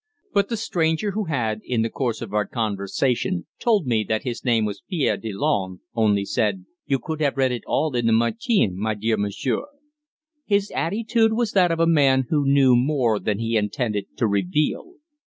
But the stranger, who had, in the course of our conversation, told me that his name was Pierre Delanne, only said "You could have read it all in the Matin, my dear monsieur." His attitude was that of a man who knew more than he intended to reveal.